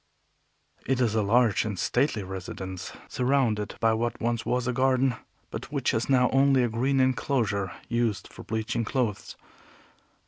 It is a large and stately residence, surrounded by what was once a garden, but which is now only a green enclosure used for bleaching clothes.